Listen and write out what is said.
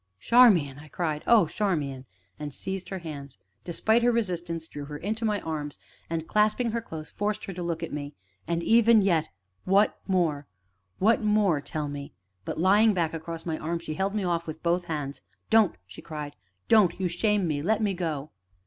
"Charmian!" I cried " oh, Charmian!" and seized her hands, and, despite her resistance, drew her into my arms, and, clasping her close, forced her to look at me. "And even yet? what more what more tell me." But, lying back across my arm, she held me off with both hands. "Don't!" she cried; "don't you shame me let me go."